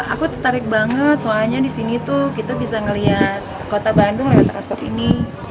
aku tertarik banget soalnya disini tuh kita bisa melihat kota bandung lewat teras kota ini